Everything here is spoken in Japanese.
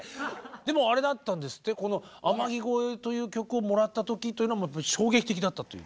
でもあれだったんですってこの「天城越え」という曲をもらった時というのはもう衝撃的だったという。